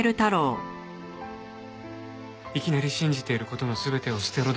いきなり信じている事の全てを捨てろだなんて